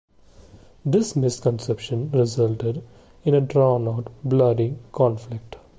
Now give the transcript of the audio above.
This misconception resulted in a drawn-out, bloody conflict.